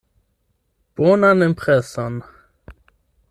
Bonan impreson!